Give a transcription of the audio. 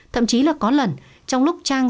thậm chí là có lần trong lúc trang